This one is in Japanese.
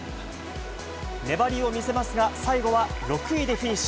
粘りを見せますが、最後は６位でフィニッシュ。